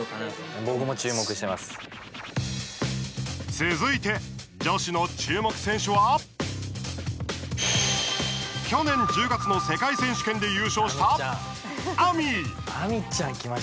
続いて、女子の注目選手は去年１０月の世界選手権で優勝したＡＭＩ。